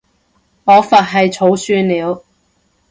我佛系儲算了